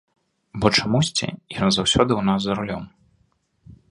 Бо чамусьці ён заўсёды ў нас за рулём.